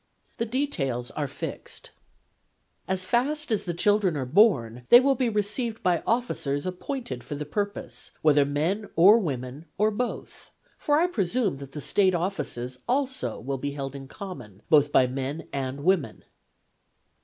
The details are fixed :' As fast as the children are born they will be received by officers appointed for the purpose, whether men or women, or both : for I presume that the State offices also will be held in common both by men and women.'